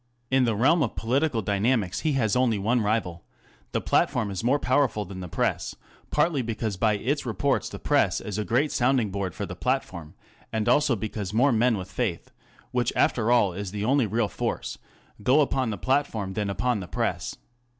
In the realm of political dynamics he has only one rival : Digitized by Google 662 THE CONTEMPORARY REVIEW. the Platform is more powerful than the Press partly because by its reports the Press is a great sounding board for the Platform, and also because more men with faith ŌĆö which after all is the only real force ŌĆö go upon the Platform than upon the Press.